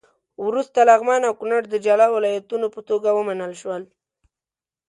وروسته لغمان او کونړ د جلا ولایتونو په توګه ومنل شول.